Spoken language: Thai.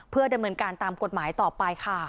เพื่อดำเนินการตามกฎหมายต่อไปค่ะ